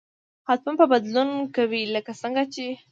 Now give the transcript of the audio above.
حتما به بدلون کوي لکه څنګه چې